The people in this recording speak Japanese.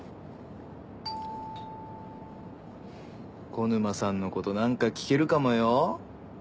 小沼さんのこと何か聞けるかもよ？